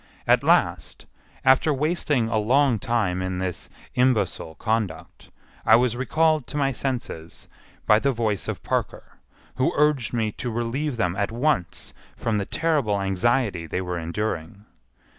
At last, after wasting a long time in this imbecile conduct, I was recalled to my senses by the voice of Parker, who urged me to relieve them at once from the terrible anxiety they were enduring.